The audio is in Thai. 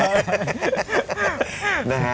เขียนเลขมาเลย